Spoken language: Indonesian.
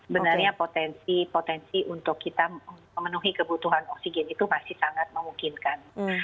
benarnya potensi potensi untuk kita memenuhi kebutuhan oksigen itu masih sangat memungkinkan